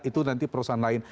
itu nanti perusahaan lain